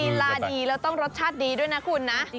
ลาดีแล้วต้องรสชาติดีด้วยนะคุณนะ